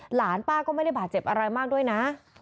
หลานป้าก็ไม่หาเจ็บอะไรด้วยนะ